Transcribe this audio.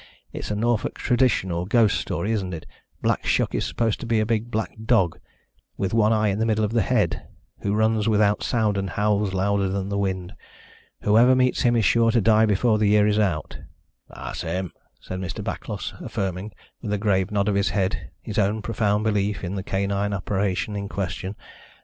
It's a Norfolk tradition or ghost story, isn't it? Black Shuck is supposed to be a big black dog, with one eye in the middle of the head, who runs without sound and howls louder than the wind. Whoever meets him is sure to die before the year is out." "That's him," said Mr. Backlos, affirming, with a grave nod of his head, his own profound belief in the canine apparition in question.